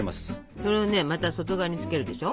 それをまた外側につけるでしょ。